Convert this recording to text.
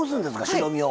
白身を。